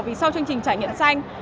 vì sau chương trình trải nghiệm xanh